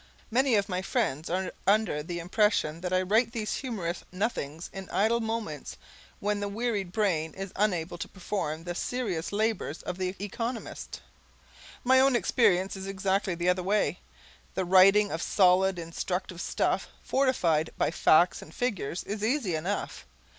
Many of my friends are under the impression that I write these humorous nothings in idle moments when the wearied brain is unable to perform the serious labours of the economist. My own experience is exactly the other way. The writing of solid, instructive stuff fortified by facts and figures is easy enough.